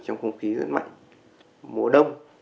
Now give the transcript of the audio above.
trong không khí dưới mặt mùa đông